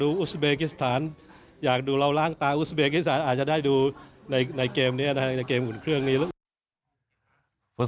อุสเบคิสถานอาจจะได้ดูในเกมอื่นเครื่องนี้ละครับ